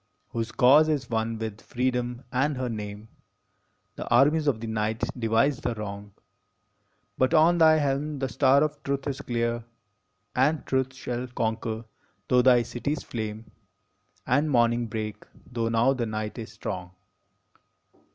Whose cause is one with Freedom and her name. The armies of the night devise thee wrong, But on thy helm the star of Truth is clear, And Truth shall conquer, tho thy cities flame, And morning break, tho now the night is strong